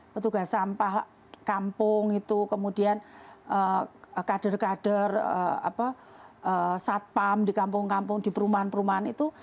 petugas sampah kampung itu kemudian kader kader satpam di kampung kampung di perumahan perumahan itu